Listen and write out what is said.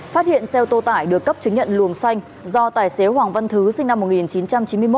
phát hiện xe ô tô tải được cấp chứng nhận luồng xanh do tài xế hoàng văn thứ sinh năm một nghìn chín trăm chín mươi một